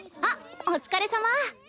あっお疲れさま。